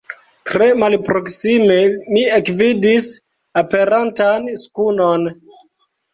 Tre malproksime mi ekvidis aperantan skunon.